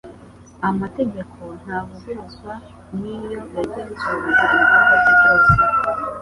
Amategeko ntavuguruzwa ni yo yagenzuraga ibikorwa bye byose,